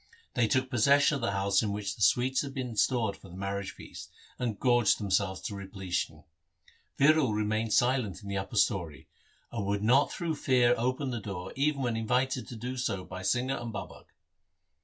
They took possession of the house in which the sweets had been stored for the marriage feast, and gorged themselves to repletion. Viro remained silent in the upper story, and would not through fear open the door even when invited to do so by Singha and Babak.